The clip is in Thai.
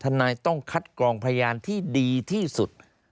นายต้องคัดกรองพยานที่ดีที่สุด